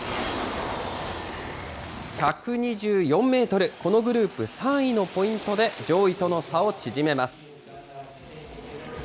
１２４メートル、このグループ３位のポイントで上位との差を縮めます。